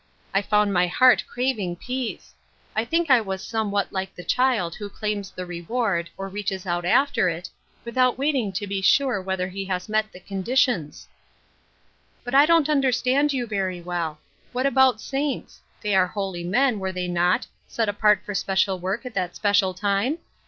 I found my heart craving peace : I think I was somewhat Finding One^s Calling, 125 like the child who claims the reward, or reaches out after it, without waiting to be sure whetkei he has met the conditions." " But I don't understand you very well What about saints ? they were holy men, were thej' not, set apart for special work at that spe cial time?